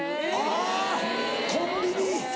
あコンビニ。